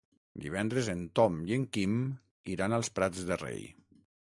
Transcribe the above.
Divendres en Tom i en Quim iran als Prats de Rei.